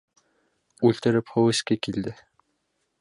Үлтереп һыу эске килде.